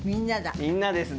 みんなですね。